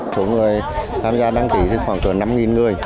số người tham gia đăng ký khoảng gần năm người